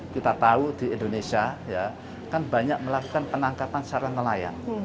kita tahu di indonesia kan banyak melakukan penangkapan secara nelayan